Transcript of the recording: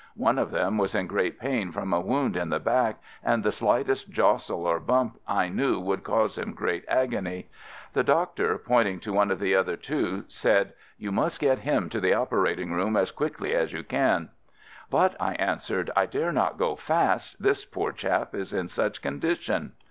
One of them was in great pain from a wound in the back, and the slightest jostle or bump I knew would cause him great agony. The doctor, point ing to one of the other two, said, "You must get him to the operating room as quickly as you can." "But," I answered, "I dare not go fast, this poor chap is in such condition."